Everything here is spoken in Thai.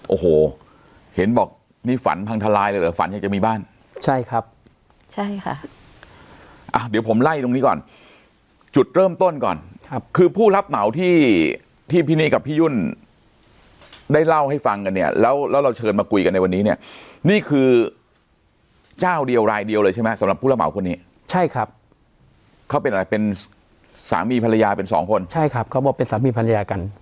โอ้โหเห็นบอกนี่ฝันพังทลายเลยเหรอฝันอยากจะมีบ้านใช่ครับใช่ค่ะอ่ะเดี๋ยวผมไล่ตรงนี้ก่อนจุดเริ่มต้นก่อนครับคือผู้รับเหมาที่ที่พี่นี่กับพี่ยุ่นได้เล่าให้ฟังกันเนี่ยแล้วแล้วเราเชิญมาคุยกันในวันนี้เนี่ยนี่คือเจ้าเดียวรายเดียวเลยใช่ไหมสำหรับผู้รับเหมาคนนี้ใช่ครับเขาเป็นอะไรเป็นสามีภรรยาเป็นสองคนใช่ครับเขาบอกเป็นสามีภรรยากัน